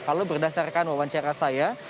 kalau berdasarkan wawancara saya